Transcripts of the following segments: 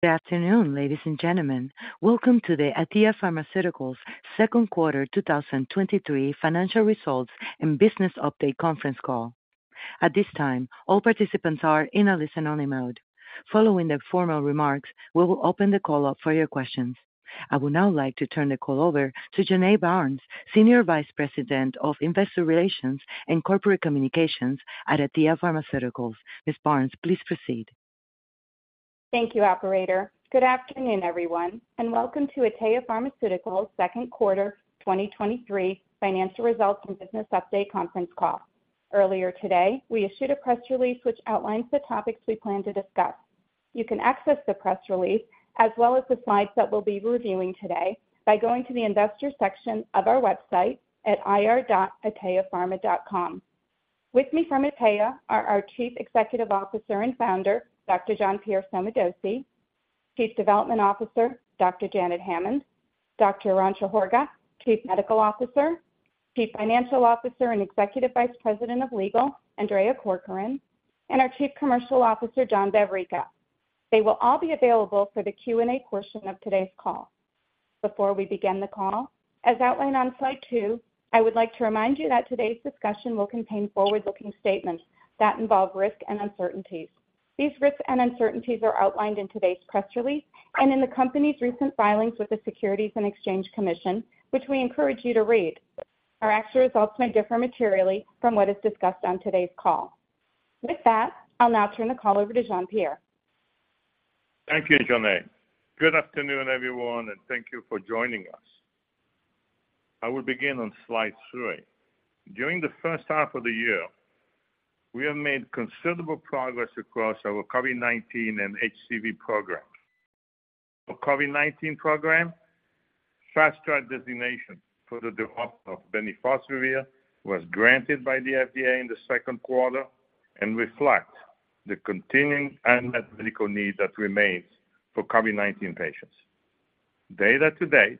Good afternoon, ladies and gentlemen. Welcome to the Atea Pharmaceuticals' second quarter 2023 financial results and business update conference call. At this time, all participants are in a listen-only mode. Following the formal remarks, we will open the call up for your questions. I would now like to turn the call over to Jonae Barnes, Senior Vice President of Investor Relations and Corporate Communications at Atea Pharmaceuticals. Ms. Barnes, please proceed. Thank you, operator. Good afternoon, everyone, and welcome to Atea Pharmaceuticals second quarter 2023 financial results and business update conference call. Earlier today, we issued a press release which outlines the topics we plan to discuss. You can access the press release, as well as the slides that we'll be reviewing today, by going to the investor section of our website at ir.ateapharma.com. With me from Atea are our Chief Executive Officer and Founder, Dr. Jean-Pierre Sommadossi; Chief Development Officer, Dr. Janet Hammond; Dr. Arantxa Horga, Chief Medical Officer; Chief Financial Officer and Executive Vice President of Legal, Andrea Corcoran; and our Chief Commercial Officer, John Vavricka. They will all be available for the Q&A portion of today's call. Before we begin the call, as outlined on slide 2, I would like to remind you that today's discussion will contain forward-looking statements that involve risk and uncertainties. These risks and uncertainties are outlined in today's press release and in the company's recent filings with the Securities and Exchange Commission, which we encourage you to read. Our actual results may differ materially from what is discussed on today's call. With that, I'll now turn the call over to Jean-Pierre. Thank you, Jonae. Good afternoon, everyone, and thank you for joining us. I will begin on slide 3. During the first half of the year, we have made considerable progress across our COVID-19 and HCV programs. For COVID-19 program, Fast Track designation for the development of bemnifosbuvir was granted by the FDA in the second quarter and reflect the continuing unmet medical need that remains for COVID-19 patients. Data to date,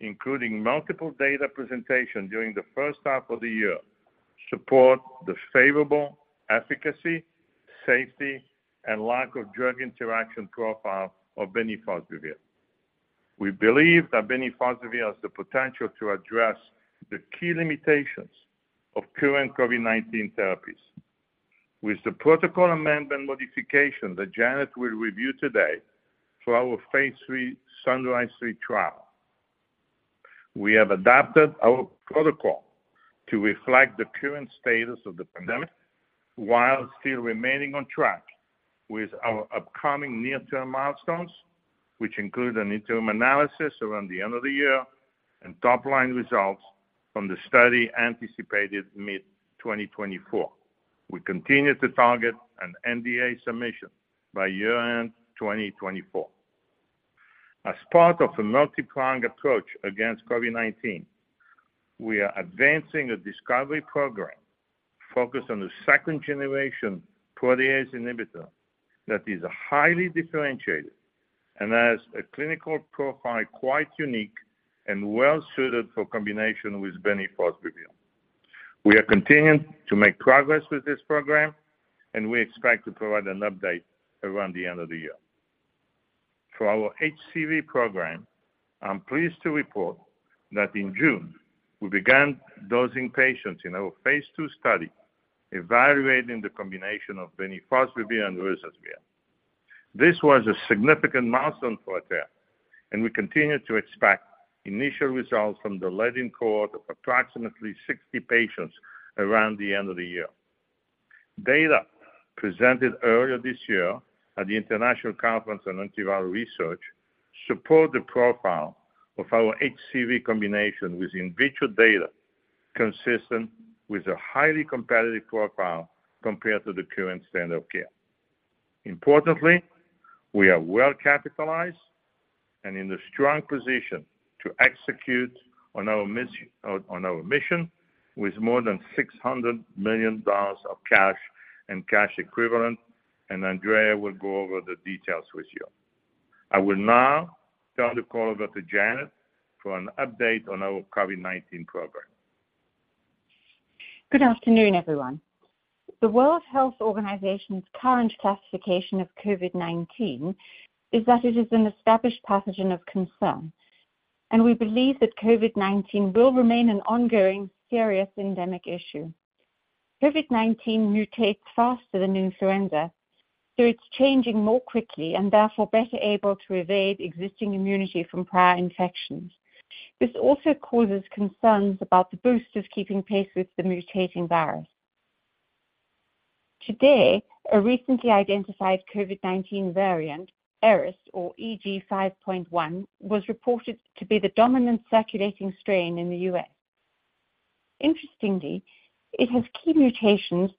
including multiple data presentation during the first half of the year, support the favorable efficacy, safety, and lack of drug interaction profile of bemnifosbuvir. We believe that bemnifosbuvir has the potential to address the key limitations of current COVID-19 therapies. With the protocol amendment modification that Janet will review today for our phase III SUNRISE-3 trial, we have adapted our protocol to reflect the current status of the pandemic while still remaining on track with our upcoming near-term milestones, which include an interim analysis around the end of the year and top-line results from the study anticipated mid-2024. We continue to target an NDA submission by year-end 2024. As part of a multi-pronged approach against COVID-19, we are advancing a discovery program focused on the second generation protease inhibitor that is highly differentiated and has a clinical profile quite unique and well-suited for combination with bemnifosbuvir. We are continuing to make progress with this program, and we expect to provide an update around the end of the year. For our HCV program, I'm pleased to report that in June, we began dosing patients in our phase II study, evaluating the combination of bemnifosbuvir and ruzasvir. This was a significant milestone for Atea, and we continue to expect initial results from the leading cohort of approximately 60 patients around the end of the year. Data presented earlier this year at the International Conference on Antiviral Research support the profile of our HCV combination with in vitro data, consistent with a highly competitive profile compared to the current standard of care. Importantly, we are well-capitalized and in a strong position to execute on our mission with more than $600 million of cash and cash equivalent, and Andrea will go over the details with you. I will now turn the call over to Janet for an update on our COVID-19 program. Good afternoon, everyone. The World Health Organization's current classification of COVID-19 is that it is an established pathogen of concern, and we believe that COVID-19 will remain an ongoing serious endemic issue. COVID-19 mutates faster than influenza, so it's changing more quickly and therefore better able to evade existing immunity from prior infections. This also causes concerns about the boosters keeping pace with the mutating virus. Today, a recently identified COVID-19 variant, Eris or EG5.1, was reported to be the dominant circulating strain in the US. Interestingly, it has key mutations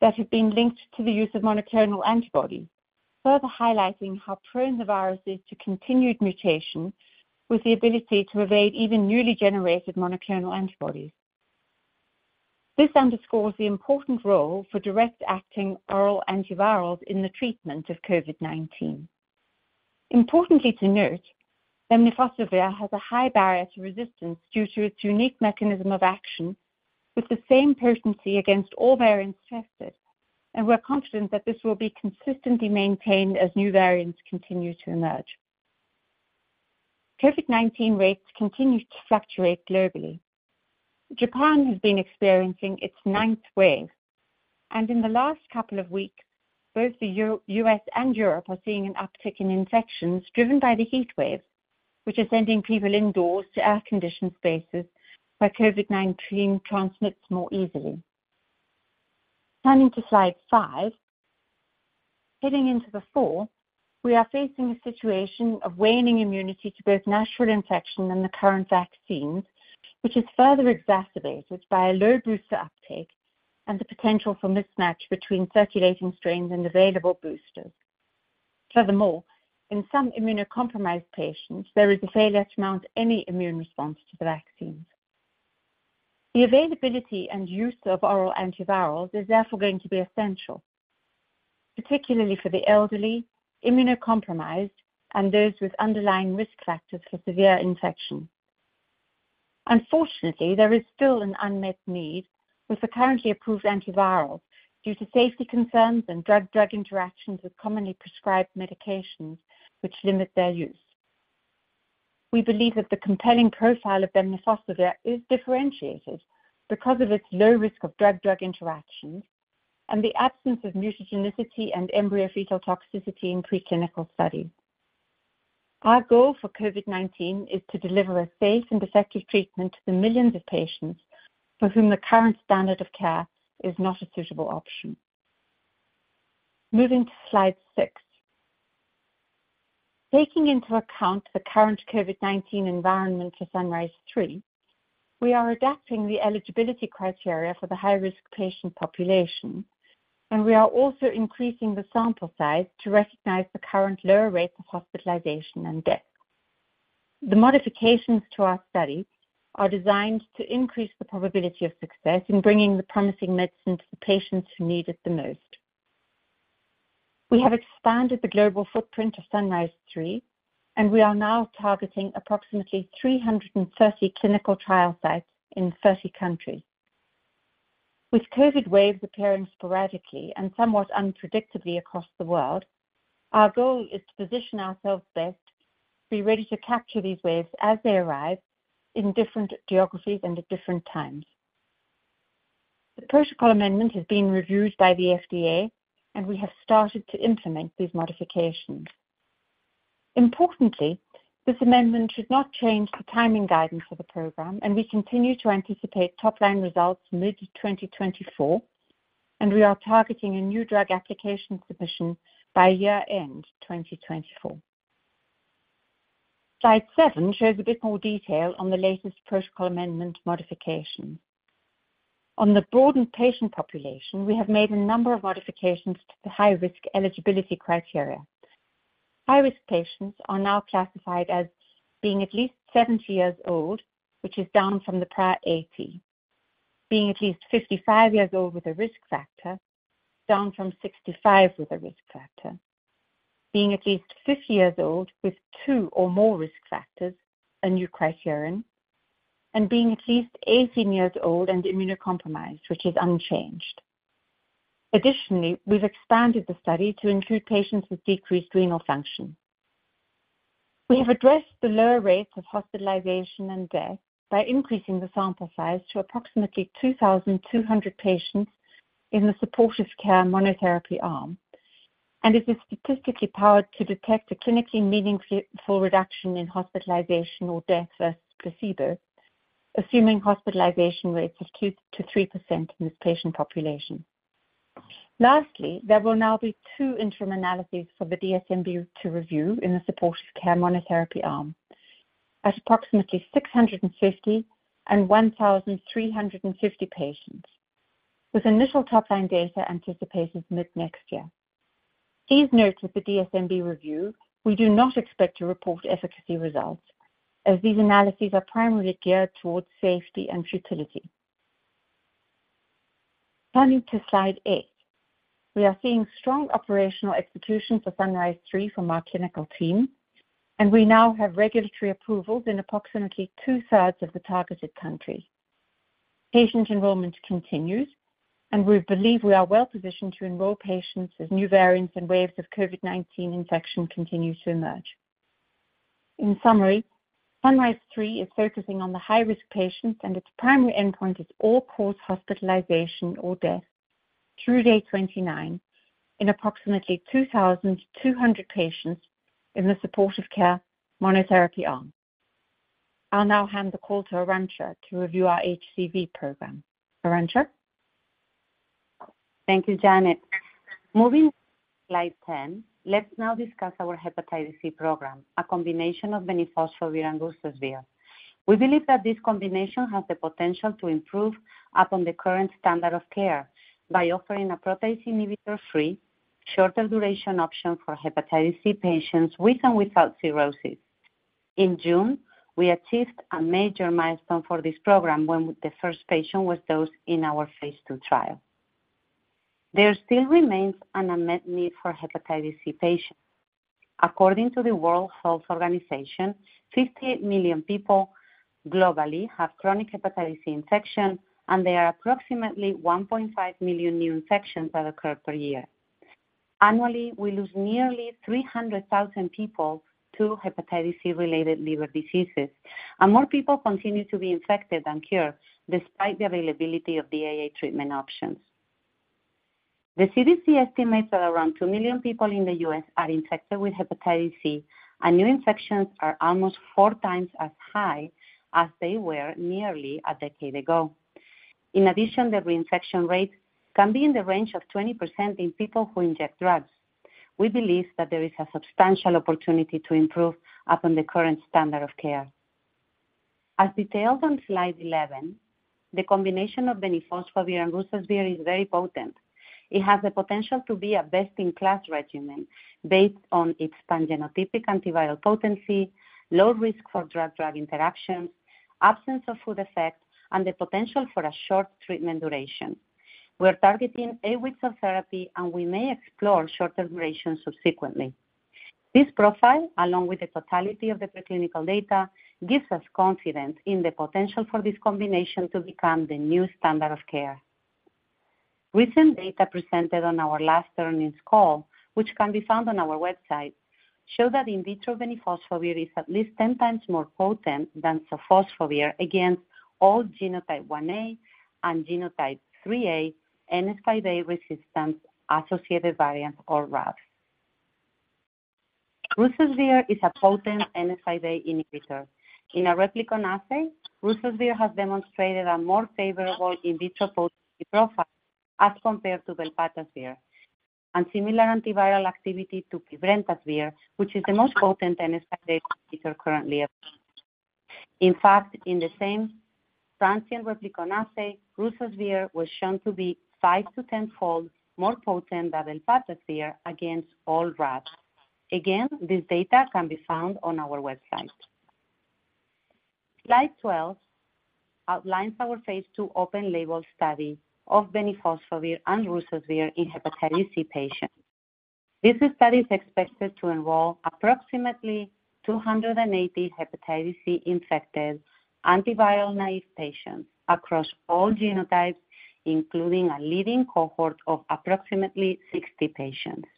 that have been linked to the use of monoclonal antibodies, further highlighting how prone the virus is to continued mutation with the ability to evade even newly generated monoclonal antibodies. This underscores the important role for direct-acting oral antivirals in the treatment of COVID-19. Importantly to note, bemnifosbuvir has a high barrier to resistance due to its unique mechanism of action- with the same potency against all variants tested, we're confident that this will be consistently maintained as new variants continue to emerge. COVID-19 rates continue to fluctuate globally. Japan has been experiencing its ninth wave. In the last couple of weeks, both the US and Europe are seeing an uptick in infections driven by the heat wave, which is sending people indoors to air-conditioned spaces, where COVID-19 transmits more easily. Turning to slide 5. Heading into the fall, we are facing a situation of waning immunity to both natural infection and the current vaccines, which is further exacerbated by a low booster uptake and the potential for mismatch between circulating strains and available boosters. In some immunocompromised patients, there is a failure to mount any immune response to the vaccines. The availability and use of oral antivirals is therefore going to be essential, particularly for the elderly, immunocompromised, and those with underlying risk factors for severe infection. Unfortunately, there is still an unmet need with the currently approved antivirals due to safety concerns and drug-drug interactions with commonly prescribed medications, which limit their use. We believe that the compelling profile of bemnifosbuvir is differentiated because of its low risk of drug-drug interactions and the absence of mutagenicity and embryo-fetal toxicity in preclinical studies. Our goal for COVID-19 is to deliver a safe and effective treatment to the millions of patients for whom the current standard of care is not a suitable option. Moving to slide 6. Taking into account the current COVID-19 environment for SUNRISE-3, we are adapting the eligibility criteria for the high-risk patient population, and we are also increasing the sample size to recognize the current lower rates of hospitalization and death. The modifications to our study are designed to increase the probability of success in bringing the promising medicine to the patients who need it the most. We have expanded the global footprint of SUNRISE-3, and we are now targeting approximately 330 clinical trial sites in 30 countries. With COVID waves appearing sporadically and somewhat unpredictably across the world, our goal is to position ourselves best, be ready to capture these waves as they arrive in different geographies and at different times. The protocol amendment has been reviewed by the FDA, and we have started to implement these modifications. Importantly, this amendment should not change the timing guidance for the program, and we continue to anticipate top-line results mid-2024, and we are targeting a new drug application submission by year-end 2024. Slide 7 shows a bit more detail on the latest protocol amendment modification. On the broadened patient population, we have made a number of modifications to the high-risk eligibility criteria. High-risk patients are now classified as being at least 70 years old, which is down from the prior 80, being at least 55 years old with a risk factor, down from 65 with a risk factor, being at least 50 years old with two or more risk factors, a new criterion, and being at least 18 years old and immunocompromised, which is unchanged. Additionally, we've expanded the study to include patients with decreased renal function. We have addressed the lower rates of hospitalization and death by increasing the sample size to approximately 2,200 patients in the supportive care monotherapy arm, and it is statistically powered to detect a clinically meaningful reduction in hospitalization or death versus placebo, assuming hospitalization rates of 2%-3% in this patient population. Lastly, there will now be two interim analyses for the DSMB to review in the supportive care monotherapy arm at approximately 650 and 1,350 patients, with initial top-line data anticipated mid-next year. Please note that the DSMB review, we do not expect to report efficacy results, as these analyses are primarily geared towards safety and futility. Turning to slide 8. We are seeing strong operational execution for SUNRISE 3 from our clinical team. We now have regulatory approvals in approximately two-thirds of the targeted countries. Patient enrollment continues. We believe we are well positioned to enroll patients as new variants and waves of COVID-19 infection continue to emerge. In summary, SUNRISE 3 is focusing on the high-risk patients. Its primary endpoint is all-cause hospitalization or death through day 29 in approximately 2,200 patients in the supportive care monotherapy arm. I'll now hand the call to Arantxa to review our HCV program. Arantxa? Thank you, Janet. Moving to slide 10, let's now discuss our Hepatitis C program, a combination of bemnifosbuvir and ruzasvir. We believe that this combination has the potential to improve upon the current standard of care by offering a protease inhibitor free, shorter duration option for Hepatitis C patients with and without cirrhosis. In June, we achieved a major milestone for this program when the first patient was dosed in our phase II trial. There still remains an unmet need for Hepatitis C patients. According to the World Health Organization, 58 million people globally have chronic Hepatitis C infection, and there are approximately 1.5 million new infections that occur per year. Annually, we lose nearly 300,000 people to Hepatitis C-related liver diseases, and more people continue to be infected than cured despite the availability of DAA treatment options. The CDC estimates that around 2 million people in the US are infected with Hepatitis C. New infections are almost 4 times as high as they were nearly a decade ago. In addition, the reinfection rate can be in the range of 20% in people who inject drugs. We believe that there is a substantial opportunity to improve upon the current standard of care. As detailed on slide 11, the combination of bemnifosbuvir and ruzasvir is very potent. It has the potential to be a best-in-class regimen based on its pangenotypic antiviral potency, low risk for drug-drug interactions, absence of food effect, and the potential for a short treatment duration. We're targeting 8 weeks of therapy. We may explore shorter durations subsequently. This profile, along with the totality of the preclinical data, gives us confidence in the potential for this combination to become the new standard of care. Recent data presented on our last earnings call, which can be found on our website, show that in vitro bemnifosbuvir is at least 10 times more potent than sofosbuvir against all genotype 1A and genotype 3A NS5A resistance-associated variants or RAV. Ruzasvir is a potent NS5A inhibitor. In a replicon assay, ruzasvir has demonstrated a more favorable in vitro potency profile as compared to velpatasvir, and similar antiviral activity to pibrentasvir, which is the most potent NS5A inhibitor currently available. In fact, in the same transient replicon assay, ruzasvir was shown to be 5 to 10-fold more potent than velpatasvir against all RAVs. Again, this data can be found on our website. Slide 12 outlines our phase II open label study of bemnifosbuvir and ruzasvir in Hepatitis C patients. This study is expected to enroll approximately 280 Hepatitis C-infected, antiviral-naive patients across all genotypes, including a leading cohort of approximately 60 patients.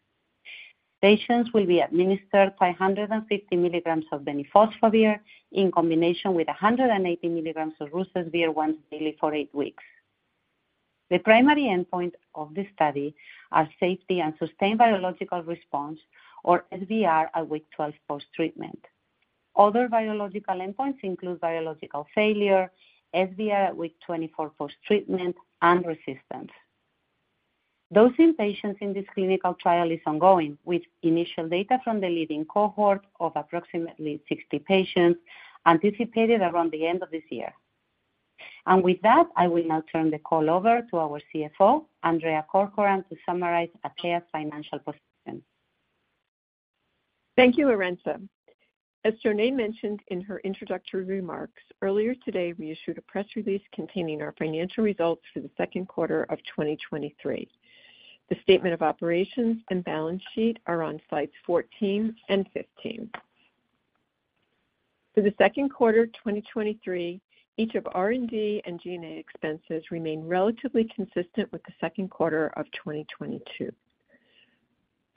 Patients will be administered 550 milligrams of bemnifosbuvir in combination with 180 milligrams of ruzasvir once daily for eight weeks. The primary endpoint of this study are safety and sustained virologic response, or SVR, at week 12 post-treatment. Other virologic endpoints include virologic failure, SVR at week 24 post-treatment, and resistance. Dosing patients in this clinical trial is ongoing, with initial data from the leading cohort of approximately 60 patients anticipated around the end of this year. With that, I will now turn the call over to our CFO, Andrea Corcoran, to summarize Atea's financial position. Thank you, Arantxa. As Jonae mentioned in her introductory remarks, earlier today, we issued a press release containing our financial results for the second quarter of 2023. The statement of operations and balance sheet are on slides 14 and 15. For the second quarter of 2023, each of R&D and G&A expenses remain relatively consistent with the second quarter of 2022.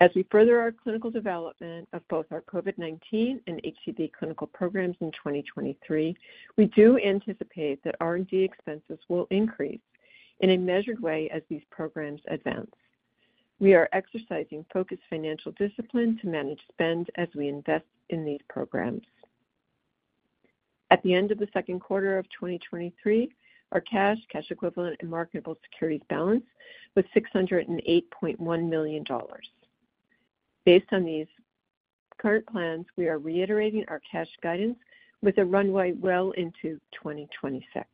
As we further our clinical development of both our COVID-19 and HCV clinical programs in 2023, we do anticipate that R&D expenses will increase in a measured way as these programs advance. We are exercising focused financial discipline to manage spend as we invest in these programs. At the end of the second quarter of 2023, our cash, cash equivalent, and marketable securities balance was $608.1 million. Based on these current plans, we are reiterating our cash guidance with a runway well into 2026.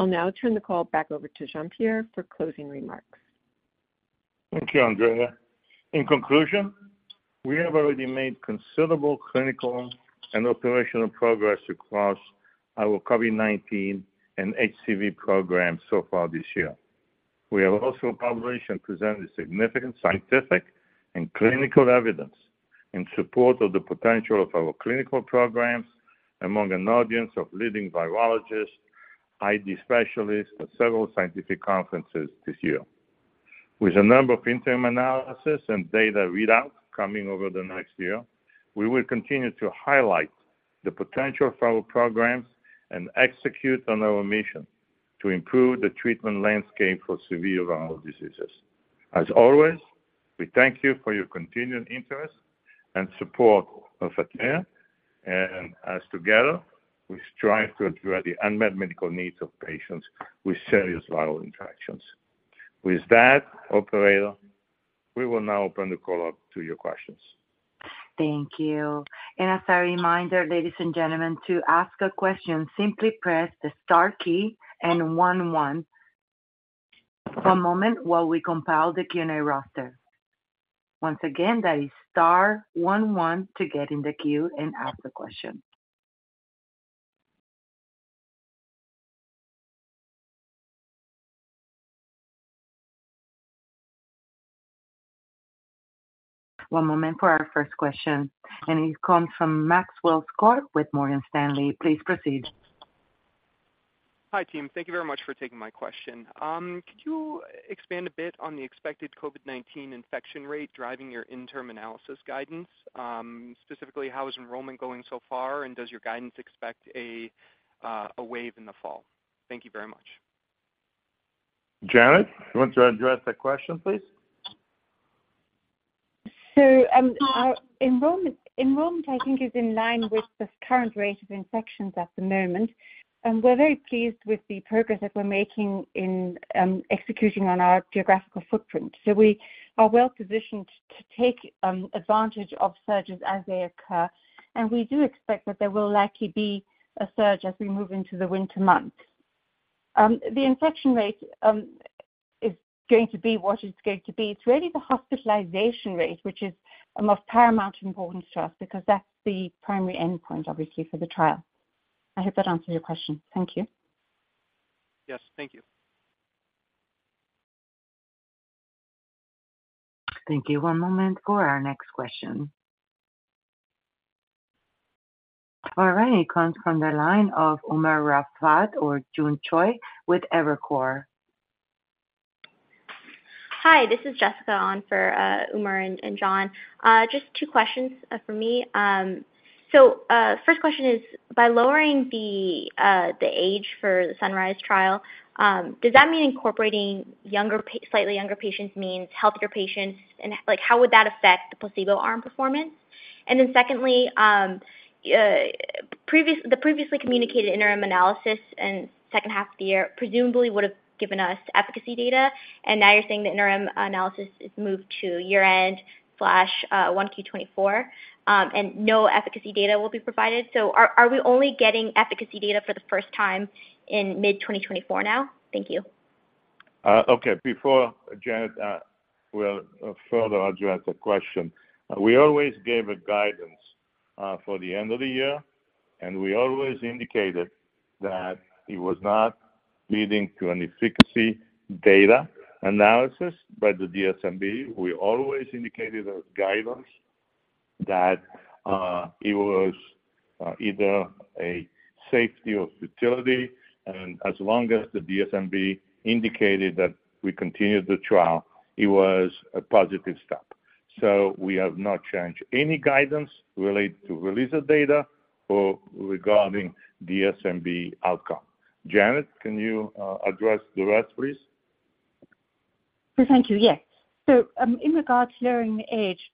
I'll now turn the call back over to Jean-Pierre for closing remarks. Thank you, Andrea. In conclusion, we have already made considerable clinical and operational progress across our COVID-19 and HCV programs so far this year. We have also published and presented significant scientific and clinical evidence in support of the potential of our clinical programs among an audience of leading virologists, ID specialists, at several scientific conferences this year. With a number of interim analysis and data readouts coming over the next year, we will continue to highlight the potential of our programs and execute on our mission to improve the treatment landscape for severe viral diseases. As always, we thank you for your continued interest and support of Atea, and as together, we strive to address the unmet medical needs of patients with serious viral infections. With that, operator, we will now open the call up to your questions. Thank you. As a reminder, ladies and gentlemen, to ask a question, simply press the star key and one-one. One moment while we compile the Q&A roster. Once again, that is star one-one, to get in the queue and ask the question. One moment for our first question. It comes from Maxwell Skor with Morgan Stanley. Please proceed. Hi, team. Thank you very much for taking my question. Could you expand a bit on the expected COVID-19 infection rate driving your interim analysis guidance? Specifically, how is enrollment going so far, and does your guidance expect a wave in the fall? Thank you very much. Janet, you want to address that question, please? Our enrollment, enrollment, I think, is in line with the current rate of infections at the moment, and we're very pleased with the progress that we're making in executing on our geographical footprint. We are well positioned to take advantage of surges as they occur, and we do expect that there will likely be a surge as we move into the winter months. The infection rate is going to be what it's going to be. It's really the hospitalization rate, which is of paramount importance to us because that's the primary endpoint, obviously, for the trial. I hope that answers your question. Thank you. Yes, thank you. Thank you. One moment for our next question. All right, it comes from the line of Umer Raffat or June Choi with Evercore. Hi, this is Jessica on for Umer and John. Just two questions from me. First question is, by lowering the age for the SUNRISE trial, does that mean incorporating slightly younger patients means healthier patients? Like, how would that affect the placebo arm performance? Secondly, the previously communicated interim analysis in second half of the year presumably would have given us efficacy data, and now you're saying the interim analysis is moved to year-end/1Q 2024, and no efficacy data will be provided. Are we only getting efficacy data for the 1st time in mid-2024 now? Thank you. Okay, before Janet will further address the question. We always gave a guidance for the end of the year, and we always indicated that it was not leading to any efficacy data analysis by the DSMB. We always indicated as guidance that it was either a safety or fertility, and as long as the DSMB indicated that we continued the trial, it was a positive step. We have not changed any guidance related to release of data or regarding DSMB outcome. Janet, can you address the rest, please? Thank you. Yes. In regards to lowering the age,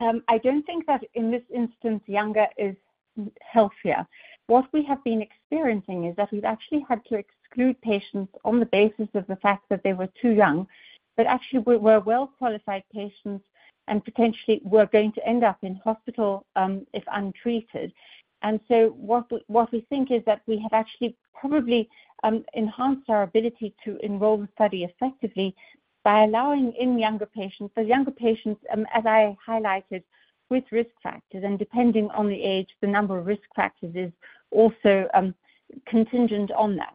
I don't think that in this instance, younger is healthier. What we have been experiencing is that we've actually had to exclude patients on the basis of the fact that they were too young, but actually were, were well-qualified patients and potentially were going to end up in hospital, if untreated. What we, what we think is that we have actually probably, enhanced our ability to enroll the study effectively by allowing in younger patients. Younger patients, as I highlighted, with risk factors, and depending on the age, the number of risk factors is also, contingent on that.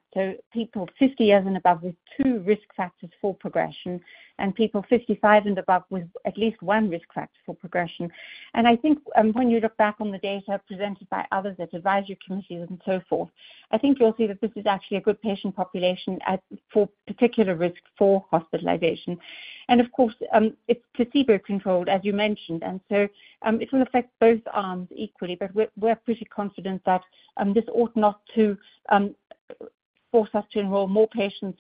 People 50 years and above with 2 risk factors for progression, and people 55 and above with at least 1 risk factor for progression. I think, when you look back on the data presented by others, at advisory committees and so forth, I think you'll see that this is actually a good patient population at, for particular risk for hospitalization. Of course, it's placebo-controlled, as you mentioned, and so, it will affect both arms equally. We're, we're pretty confident that, this ought not to, force us to enroll more patients,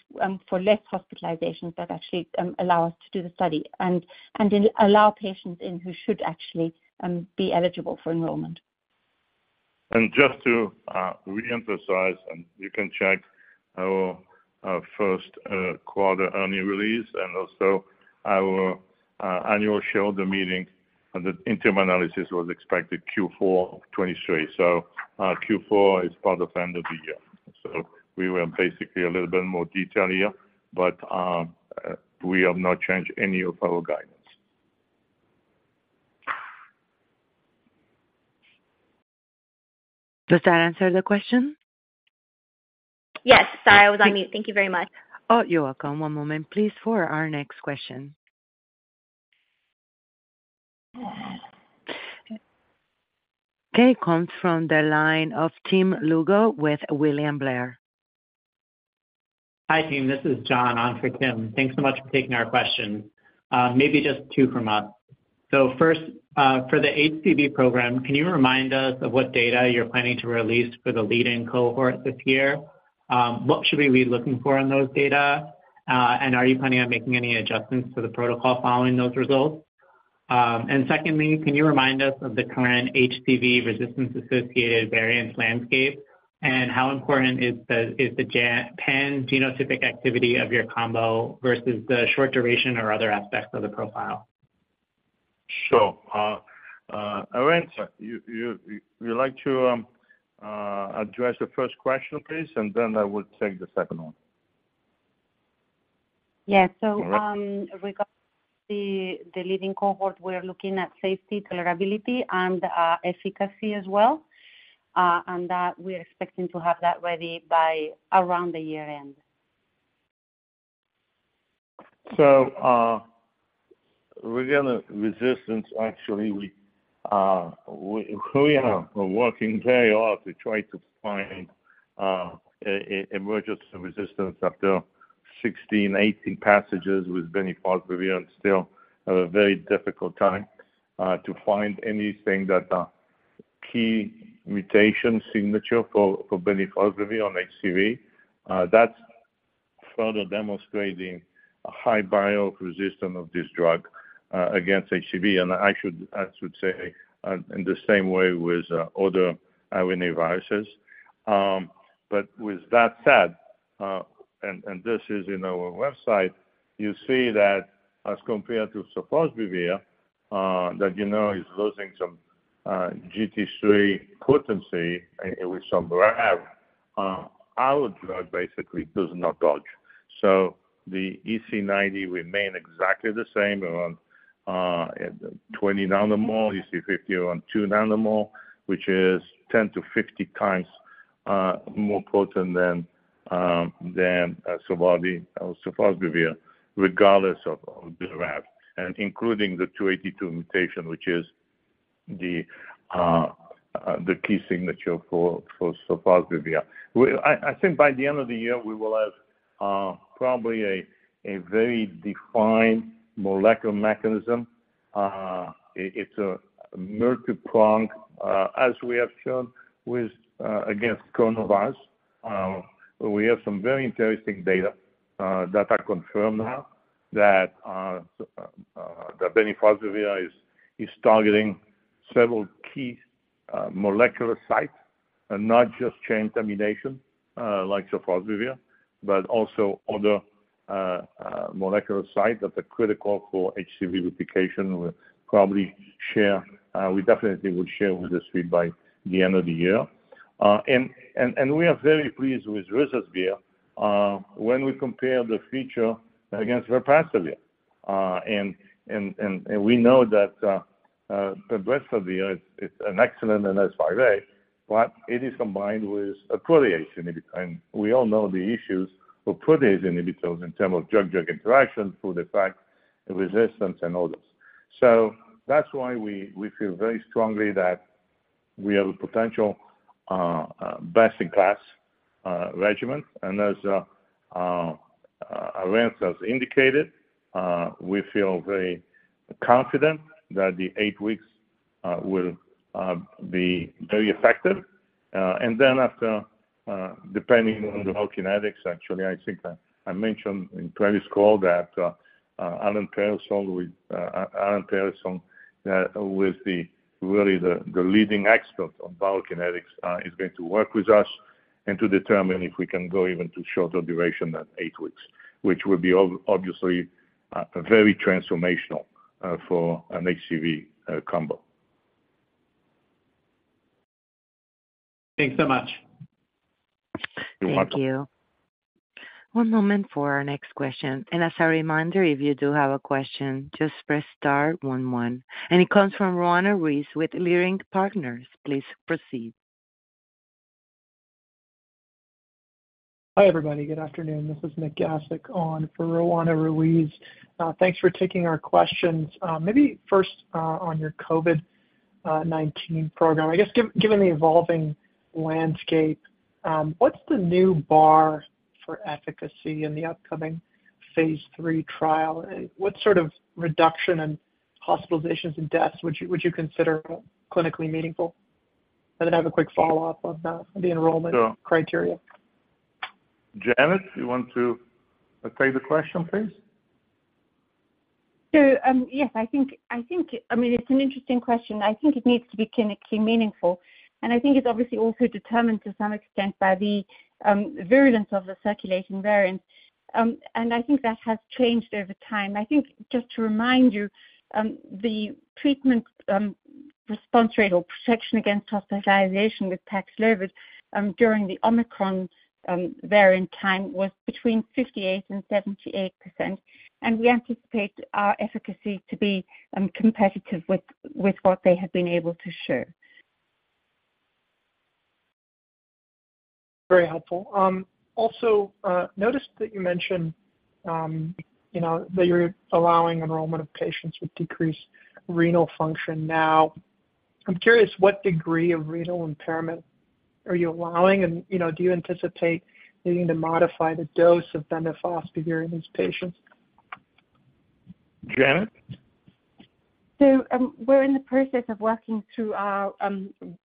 for less hospitalizations, but actually, allow us to do the study and, and allow patients in who should actually, be eligible for enrollment. Just to reemphasize, and you can check our, our first quarter earnings release and also our annual shareholder meeting, the interim analysis was expected Q4 of 2023. Q4 is part of end of the year. We were basically a little bit more detailed here, but we have not changed any of our guidance. Does that answer the question? Yes. Sorry, I was on mute. Thank you very much. Oh, you're welcome. One moment, please, for our next question. Comes from the line of Tim Lugo with William Blair. Hi, team. This is John on for Tim. Thanks so much for taking our question. Maybe just two from us. First, for the HCV program, can you remind us of what data you're planning to release for the lead-in cohort this year? What should we be looking for in those data, and are you planning on making any adjustments to the protocol following those results? Secondly, can you remind us of the current HCV resistance-associated variant landscape, and how important is the pangenotypic activity of your combo versus the short duration or other aspects of the profile? Sure. Arantxa, would you like to address the first question, please, and then I will take the second one? Yeah. Regarding the, the leading cohort, we are looking at safety, tolerability, and efficacy as well. That we're expecting to have that ready by around the year-end. Regarding resistance, actually, we, we, we are working very hard to try to find emergence of resistance after 16, 18 passages with bemnifosbuvir, and still have a very difficult time to find anything that key mutation signature for, for bemnifosbuvir on HCV. That's further demonstrating a high bio resistance of this drug against HCV. I should, I should say, in the same way with other RNA viruses. With that said, and, and this is in our website, you see that as compared to sofosbuvir, that, you know, is losing some GT-3 potency with some RAV. Our drug basically does not dodge. The EC90 remain exactly the same, around 20 nanomole, EC50 around 2 nanomole, which is 10 to 50 times more potent than Sovaldi or sofosbuvir, regardless of the RAV, and including the 282 mutation, which is the key signature for sofosbuvir. I think by the end of the year, we will have probably a very defined molecular mechanism. It's a multi-prong, as we have shown with against coArantxavirus. We have some very interesting data that are confirmed now that bemnifosbuvir is targeting several key molecular sites and not just chain termination, like sofosbuvir, but also other molecular site that are critical for HCV replication. We'll probably share, we definitely will share with the street by the end of the year. We are very pleased with ruzasvir, when we compare the feature against velpatasvir. We know that velpatasvir is an excellent NS5A, but it is combined with a protease inhibitor. We all know the issues with protease inhibitors in terms of drug-drug interaction, for the fact, the resistance and all this. That's why we feel very strongly that we have a potential, best-in-class, regimen. As Rence has indicated, we feel very confident that the eight weeks will be very effective. Then after, depending on the kinetics, actually, I think, I mentioned in previous call that Alan Perelson with Alan Perelson was the really the, the leading expert on biokinetics is going to work with us and to determine if we can go even to shorter duration than 8 weeks, which would be obviously very transformational for an HCV combo. Thanks so much. You're welcome. Thank you. One moment for our next question. As a reminder, if you do have a question, just press star one-one. It comes from Roanna Ruiz with Leerink Partners. Please proceed. Hi, everybody. Good afternoon. This is Nik Gasic on for Roanna Ruiz. Thanks for taking our questions. Maybe first, on your COVID-19 program. I guess, given the evolving landscape, what's the new bar for efficacy in the upcoming phase III trial? What sort of reduction in hospitalizations and deaths would you consider clinically meaningful? I then have a quick follow-up on the enrollment- Sure. Criteria. Janet, you want to take the question, please? Yes, I think, I think I mean, it's an interesting question. I think it needs to be clinically meaningful, and I think it's obviously also determined to some extent by the virulence of the circulating variant. I think that has changed over time. I think, just to remind you, the treatment, response rate or protection against hospitalization with Paxlovid, during the Omicron, variant time was between 58% and 78%, we anticipate our efficacy to be competitive with, with what they have been able to show. Very helpful. also, noticed that you mentioned, you know, that you're allowing enrollment of patients with decreased renal function now. I'm curious, what degree of renal impairment are you allowing? you know, do you anticipate needing to modify the dose of bemnifosbuvir in these patients? Janet? We're in the process of working through our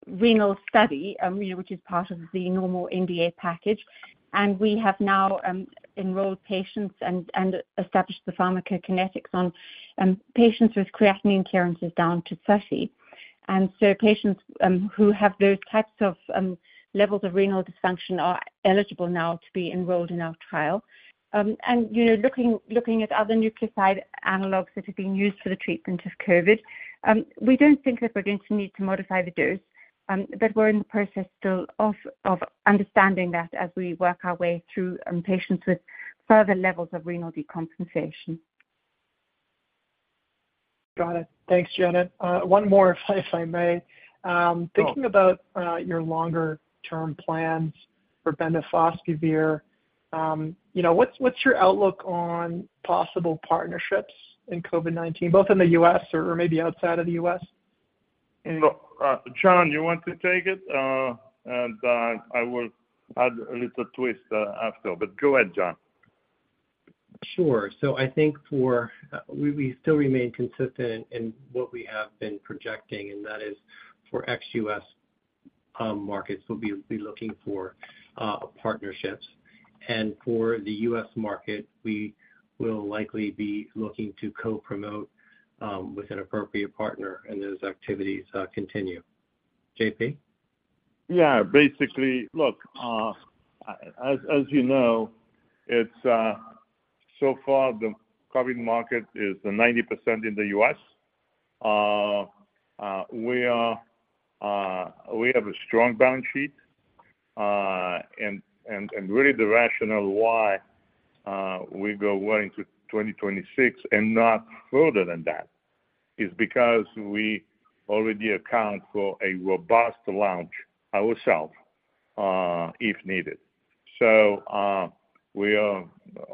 renal study, you know, which is part of the normal NDA package. We have now enrolled patients and established the pharmacokinetics on patients with creatinine clearance down to 30. Patients who have those types of levels of renal dysfunction are eligible now to be enrolled in our trial. And, you know, looking, looking at other nucleoside analogues that have been used for the treatment of COVID, we don't think that we're going to need to modify the dose, but we're in the process still of understanding that as we work our way through patients with further levels of renal decompensation. Got it. Thanks, Janet. one more, if, if I may. thinking about, your longer-term plans for bemnifosbuvir, you know, what's, what's your outlook on possible partnerships in COVID-19, both in the US or, or maybe outside of the US? Look, John, you want to take it? I will add a little twist, after, but go ahead, John. Sure. I think for, We, we still remain consistent in what we have been projecting, and that is for ex-US markets, we'll be, be looking for partnerships. For the US market, we will likely be looking to co-promote with an appropriate partner, and those activities continue. JP? Yeah, basically, look, as, as you know, it's, so far the COVID market is 90% in the US. We are, we have a strong balance sheet, and, and, and really the rationale why, we go well into 2026 and not further than that, is because we already account for a robust launch ourself, if needed. We are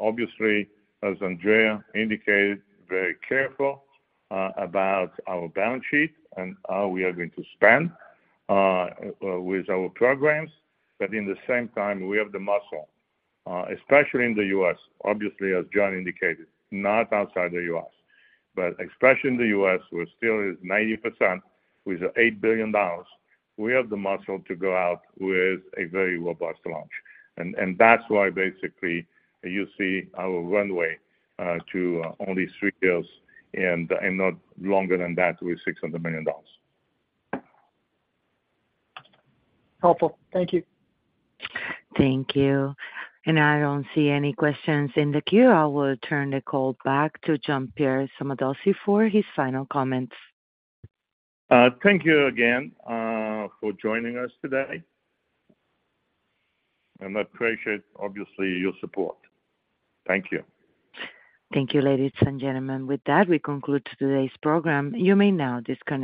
obviously, as Andrea indicated, very careful, about our balance sheet and how we are going to spend, with our programs. In the same time, we have the muscle, especially in the US, obviously, as John indicated, not outside the US. Especially in the US, where still is 90% with $8 billion, we have the muscle to go out with a very robust launch. That's why basically you see our runway, to only three years and, and not longer than that, with $600 million. Helpful. Thank you. Thank you. I don't see any questions in the queue. I will turn the call back to Jean-Pierre Sommadossi for his final comments. Thank you again, for joining us today, and I appreciate, obviously, your support. Thank you. Thank you, ladies and gentlemen. With that, we conclude today's program. You may now disconnect.